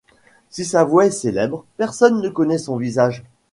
Si sa voix est célèbre, personne ne connaît son visage.